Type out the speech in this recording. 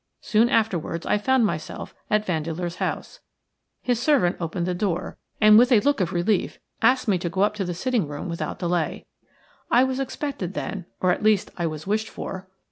Soon afterwards I found myself at Vandeleur's house. His servant opened the door, and with a look of relief asked me to go up to the sitting room without delay. I was expected, then, or at least I was wished for.